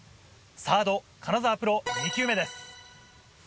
サード金澤プロ２球目です。